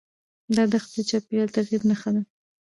دا دښتې د چاپېریال د تغیر نښه ده.